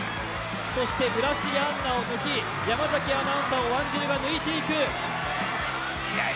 そして村重杏奈と山崎アナウンサーをワンジルが抜いていく。